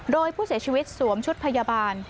โดยผู้เสียชีวิตสวมชุดพยาบาล